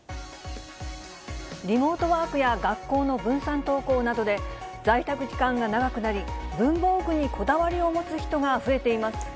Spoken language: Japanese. リモートワークや学校の分散登校などで、在宅時間が長くなり、文房具にこだわりを持つ人が増えています。